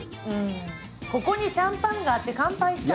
ここにシャンパンがあって乾杯したい。